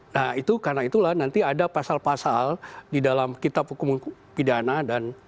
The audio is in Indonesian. nah itu karena itulah nanti ada pasal pasal di dalam kitab hukum pidana dan